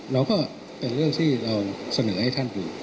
เราก็เป็นเรื่องที่เราเสนอให้ท่านอยู่